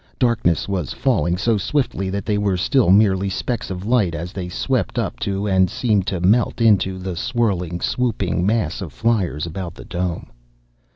Darkness was falling so swiftly that they were still merely specks of light as they swept up to and seemed to melt into the swirling, swooping mass of fliers about the dome....